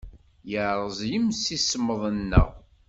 Yerreẓ yemsismeḍ-nneɣ.